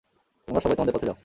তোমরা সবাই তোমাদের পথে যাও।